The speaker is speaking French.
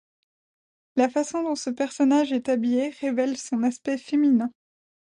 La façon dont ce personnage est habillé révèle son aspect féminin.